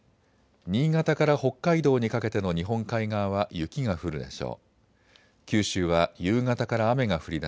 新潟から北海道にかけての日本海側は雪が降るでしょう。